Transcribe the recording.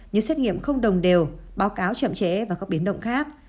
như xét nghiệm không đồng đều báo cáo chậm trễ và các biến động khác